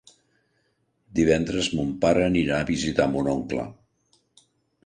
Divendres mon pare anirà a visitar mon oncle.